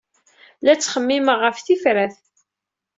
La ttxemmimeɣ ɣef tifrat.